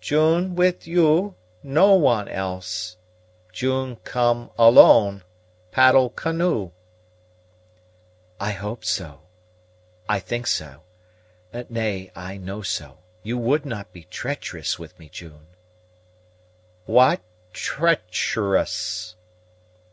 "June wid you, no one else. June come alone, paddle canoe." "I hope so, I think so nay, I know so. You would not be treacherous with me, June?" "What treacherous?"